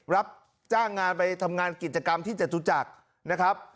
รับจ้างงานไปทำงานกิจกรรมที่จตุจักรนะครับ